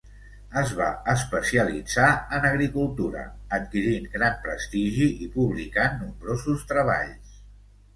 Es va especialitzar en agricultura, adquirint gran prestigi i publicant nombrosos treballs.